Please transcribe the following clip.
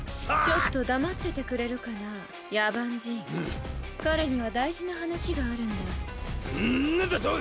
ちょっと黙っててくれるかな野蛮人彼には大事な話があるんだ何だと！？